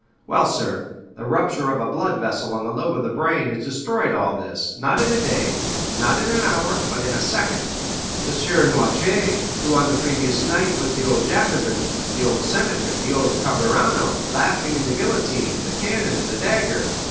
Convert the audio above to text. Well, sir, the rupture of a blood vessel on the lobe of the brain has destroyed all this, not in a day, not in an hour, but in a second. M. Noirtier, who, on the previous night, was the old Jacobin, the old senator, the old Carbonaro, laughing at the guillotine, the cannon, and the dagger—M.